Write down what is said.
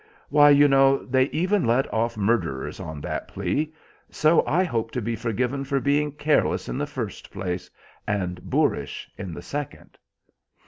Why, you know, they even let off murderers on that plea, so I hope to be forgiven for being careless in the first place, and boorish in the second."